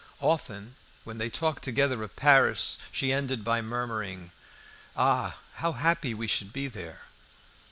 Often, when they talked together of Paris, she ended by murmuring, "Ah! how happy we should be there!"